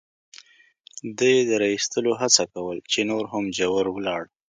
ده یې د را اېستلو هڅه کول، چې نور هم ژور ولاړ.